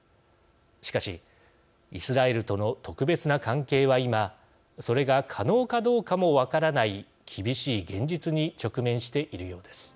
しかしイスラエルとの特別な関係は今それが可能かどうかも分からない厳しい現実に直面しているようです。